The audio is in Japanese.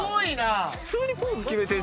普通にポーズキメてる。